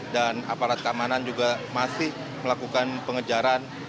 dan aparat keamanan juga masih melakukan pengejaran